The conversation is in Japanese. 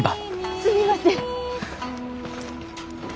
すみません。